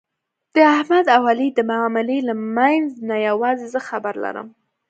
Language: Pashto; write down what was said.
د احمد او علي د معاملې له منځ نه یووازې زه خبر لرم.